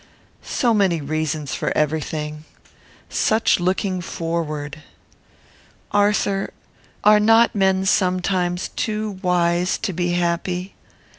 So many reasons for every thing! Such looking forward! Arthur, are not men sometimes too wise to be happy?